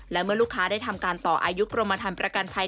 และเมื่อลูกค้าได้ทำการต่ออายุกรมธรรมประกันภัย